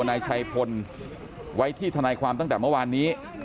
นายชัยพลไว้ที่ทนายความตั้งแต่เมื่อวานนี้